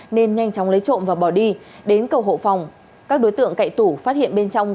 nên nhanh chóng lấy trộm và bỏ đi đến cầu hộ phòng các đối tượng cậy tủ phát hiện bên trong